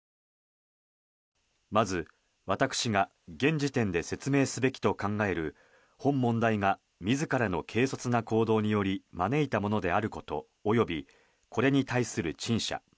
まず、私が現時点で説明すべきと考える本問題が自らの軽率な行動により招いたものであること及びこれに対する陳謝